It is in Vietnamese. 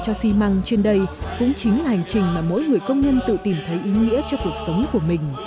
cho xi măng trên đây cũng chính là hành trình mà mỗi người công nhân tự tìm thấy ý nghĩa cho cuộc sống của mình